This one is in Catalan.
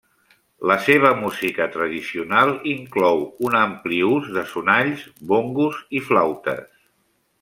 La seva música tradicional inclou un ampli ús de sonalls, bongos, i flautes.